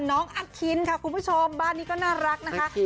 น้องอคินค่ะคุณผู้ชมบ้านนี้ก็น่ารักนะคะ